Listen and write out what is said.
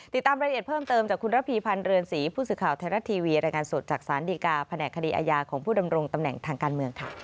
ติดตามรายละเอียดเพิ่มเติมจากคุณระพีพันธ์เรือนศรีผู้สื่อข่าวไทยรัฐทีวีรายงานสดจากสารดีกาแผนกคดีอาญาของผู้ดำรงตำแหน่งทางการเมืองค่ะ